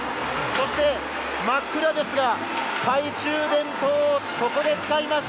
そして真っ暗ですが懐中電灯をここで使います。